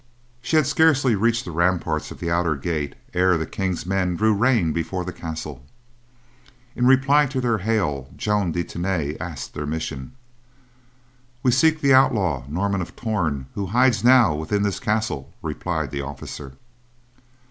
She had scarcely reached the ramparts of the outer gate ere the King's men drew rein before the castle. In reply to their hail, Joan de Tany asked their mission. "We seek the outlaw, Norman of Torn, who hides now within this castle," replied the officer.